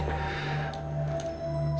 aku lelah sekali